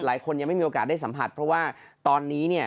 หลายคนยังไม่มีโอกาสได้สัมผัสเพราะว่าตอนนี้เนี่ย